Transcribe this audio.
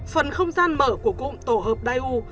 phần không gian mở của cụm tổ hợp daewoo